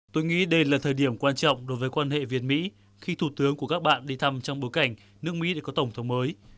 tôi nghĩ đây là thời điểm quan trọng đối với quan hệ việt mỹ khi thủ tướng của các bạn đi thăm trong bối cảnh nước mỹ đã có tổng thống mới